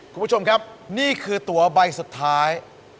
คุณผู้ชมครับนี่คือตัวใบสุดท้าย